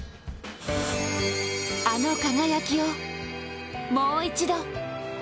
あの輝きを、もう一度。